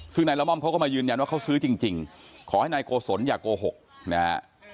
ซึ่งนายละม่อมเขาก็มายืนยันว่าเขาซื้อจริงขอให้นายโกศลอย่าโกหกนะฮะ